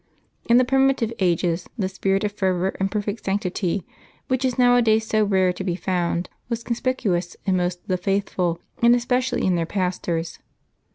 In the primitive ages, the spirit of fervor and perfect sanctity, which is nowadays so rarely to be found, was conspicuous in most of the faithful, and espe cially in their pastors.